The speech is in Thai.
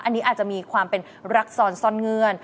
อันนี้อาจจะมีความเป็นรักซ้อนซ่อนเงื่อน